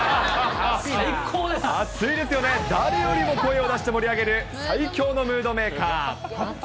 熱いですよね、誰よりも声を出して盛り上げる最強のムードメーカー。